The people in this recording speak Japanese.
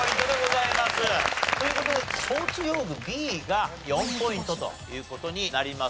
という事でスポーツ用具Ｂが４ポイントという事になります。